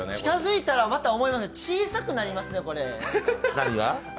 近づいたらまた思いますね、小さくなりますね。